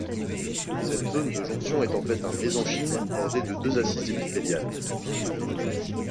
Cette zone de jonction est en fait un mésenchyme bordé de deux assises épithéliales.